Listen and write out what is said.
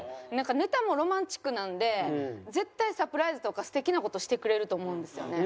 ネタもロマンチックなので絶対サプライズとか素敵な事してくれると思うんですよね。